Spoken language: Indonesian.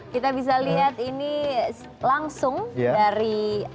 kita bisa lihat ini langsung dari